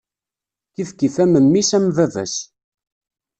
Kifkif am mmi-s, am baba-s.